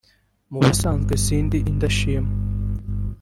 Mu busanzwe sindi indashima